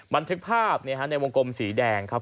บันทึกภาพในวงกลมสีแดงครับ